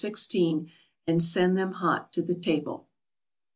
16, and send them hot to the table.